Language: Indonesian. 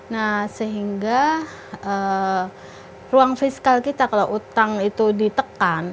nah sehingga ruang fiskal kita kalau utang itu ditekan